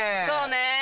そうね。